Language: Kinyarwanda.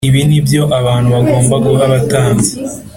ibi ni byo abantu bagomba guha abatambyi